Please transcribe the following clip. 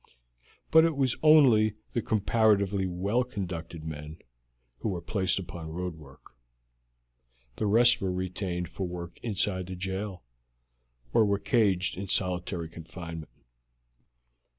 But it was only the comparatively well conducted men who were placed upon road work; the rest were retained for work inside the jail, or were caged in solitary confinement.